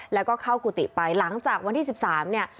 แล้วก็เข้ากุฏิไปหลังจากวันที่๑๓เนี่ย